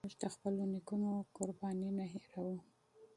موږ د خپلو نيکونو قربانۍ نه هيروو.